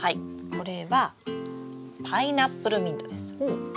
これはパイナップルミントです。